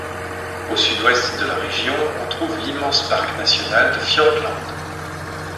Au sud-ouest de la région on trouve l'immense parc national de Fiordland.